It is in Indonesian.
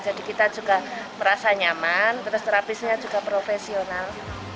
jadi kita juga merasa nyaman terus terapisnya juga profesional